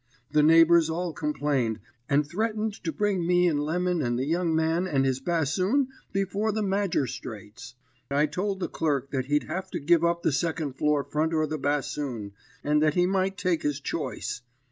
The neighbours all complained, and threatened to bring me and Lemon and the young man and his bassoon before the magerstrates. I told the clerk that he'd have to give up the second floor front or the bassoon, and that he might take his choice.